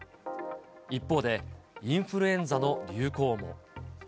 一方で、インフルエンザの流行も。